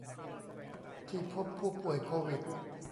ที่พบผู้ป่วยโควิด